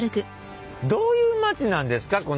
どういう街なんですか？